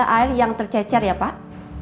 air yang tercecer ya pak